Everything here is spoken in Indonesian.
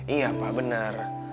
iya pak bener